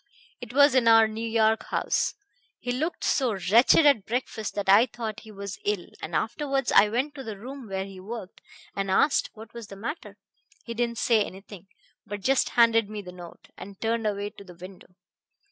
It was in our New York house. He looked so wretched at breakfast that I thought he was ill, and afterwards I went to the room where he worked, and asked what was the matter. He didn't say anything, but just handed me the note, and turned away to the window.